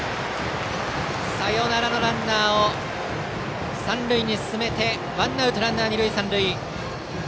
サヨナラのランナーを三塁に進めワンアウトランナー、二塁三塁。